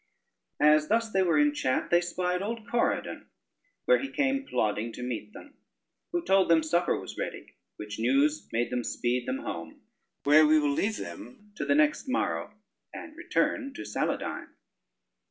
As thus they were in chat, they spied old Corydon where he came plodding to meet them, who told them supper was ready, which news made them speed them home. Where we will leave them to the next morrow, and return to Saladyne.